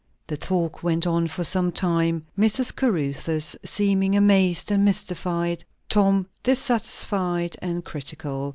The talk went on for some time; Mrs. Caruthers seeming amazed and mystified, Tom dissatisfied and critical.